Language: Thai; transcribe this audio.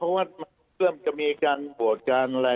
ไม่น่าช้าระครับเพราะว่ามันจะเริ่มจะมีการบวชการอะไร